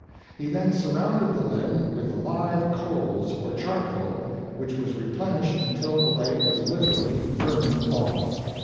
He then surrounded the limb with the live coals or charcoal, which was replenished until the leg was literally burnt off.